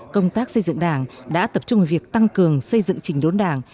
công tác xây dựng đảng đã tập trung vào việc tăng cường xây dựng trình đốn đảng